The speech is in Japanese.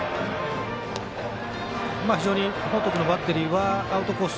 非常に報徳のバッテリーはアウトコース